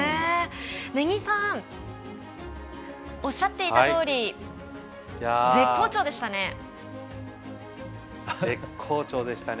根木さんおっしゃっていたとおり絶好調でしたね。